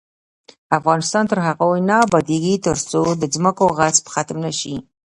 افغانستان تر هغو نه ابادیږي، ترڅو د ځمکو غصب ختم نشي.